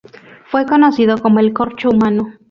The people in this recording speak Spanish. Fue conocido como el 'corcho humano'.